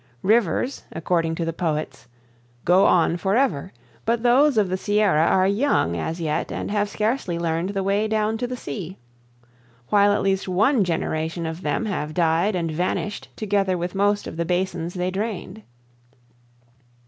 Rivers, according to the poets, "go on forever"; but those of the Sierra are young as yet and have scarcely learned the way down to the sea; while at least one generation of them have died and vanished together with most of the basins they drained.